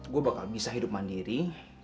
gue bakal bisa hidup mandiri